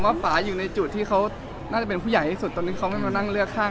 ป่าอยู่ในจุดที่เขาน่าจะเป็นผู้ใหญ่ที่สุดตอนนี้เขาไม่มานั่งเลือกข้าง